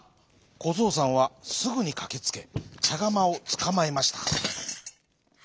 こぞうさんはすぐにかけつけちゃがまをつかまえました。